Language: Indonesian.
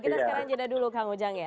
kita sekarang jeda dulu kang ujang ya